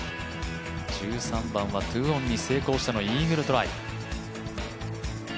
１３番は２オンに成功してのイーグルトライ。